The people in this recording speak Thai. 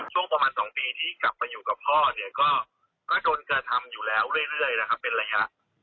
ช่วงประมาณ๒ปีที่กลับมาอยู่กับพ่อเนี่ยก็โดนกระทำอยู่แล้วเรื่อยนะครับเป็นระยะ